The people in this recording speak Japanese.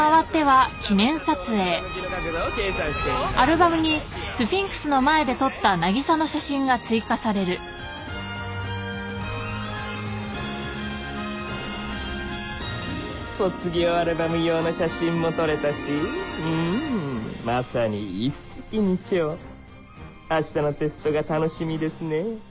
ピサの斜塔の傾きの角度を計算してみましょう卒業アルバム用の写真も撮れたしまさに一石二鳥明日のテストが楽しみですねえ